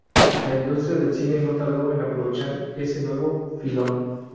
La industria del cine no tardó en aprovechar ese nuevo filón.